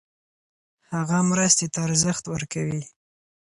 هغه مرستې ته ارزښت ورکوي.